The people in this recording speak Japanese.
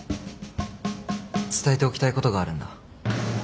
伝えておきたいことがあるんだ。